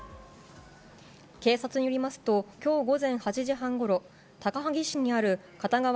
警察によりますと、きょう午前８時半ごろ、高萩市にある片側